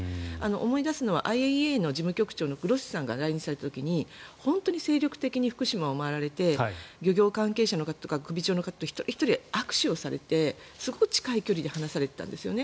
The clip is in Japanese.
思い出すのはＩＡＥＡのグロッシさんが来日された時に本当に精力的に福島を回られて漁業関係者の方とか首長の方と一人ひとり握手をされてすごく近い距離で話されていたんですね。